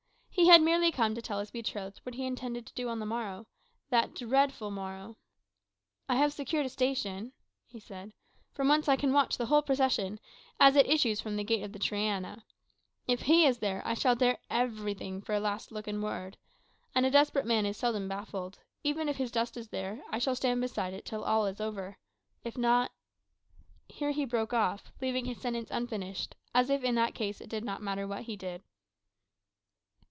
He had merely come to tell his betrothed what he intended to do on the morrow that dreadful morrow! "I have secured a station," he said, "from whence I can watch the whole procession, as it issues from the gate of the Triana. If he is there, I shall dare everything for a last look and word. And a desperate man is seldom baffled. If even his dust is there, I shall stand beside it till all is over. If not " Here he broke off, leaving his sentence unfinished, as if in that case it did not matter what he did.